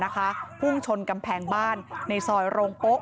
พุ่งชนกำแพงบ้านในซอยโรงโป๊ะ